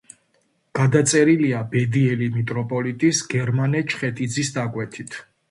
გადაწერილია ბედიელი მიტროპოლიტის გერმანე ჩხეტიძის დაკვეთით.